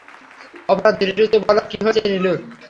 তারপর ধীরেসুস্থে বল-কী হয়েছে নীলুর?